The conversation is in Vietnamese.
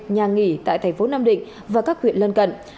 nhà nghỉ tại thành phố nam định và các huyện lân cận